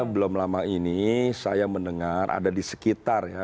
belum lama ini saya mendengar ada di sekitar ya